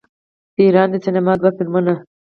د ایران د سینما دوه فلمونه